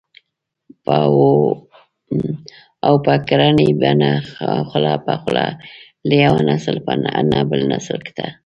او په ګړنۍ بڼه خوله په خوله له يوه نسل نه بل نسل ته